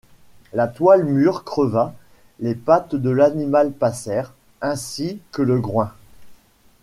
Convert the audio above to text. La toile mûre creva, les pattes de l’animal passèrent, ainsi que le groin.